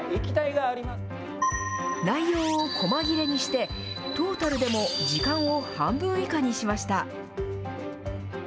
内容を細切れにして、トータルでも時間を半分以下にしました。